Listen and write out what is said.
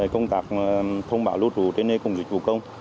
công tác thông báo lưu trú đến nơi cùng dịch vụ công